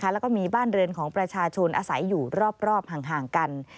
แล้วก็มีบ้านเรือนของประชาชนอาศัยอยู่รอบห่างกัน